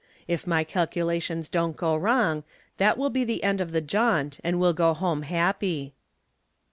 If my calculations don't go wrong, that will be the end of the jaunt and we'll go home happy."